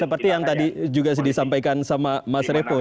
seperti yang tadi juga disampaikan sama mas revo